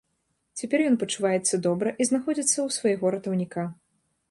Цяпер ён пачуваецца добра і знаходзіцца ў свайго ратаўніка.